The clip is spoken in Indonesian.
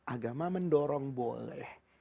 agama mendorong boleh